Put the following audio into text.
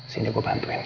sini gue bantuin